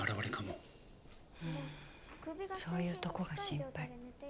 うんそういうとこが心配。